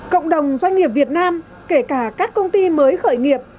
cộng đồng doanh nghiệp việt nam kể cả các công ty mới khởi nghiệp